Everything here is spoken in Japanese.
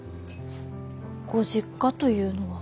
ご実家というのは。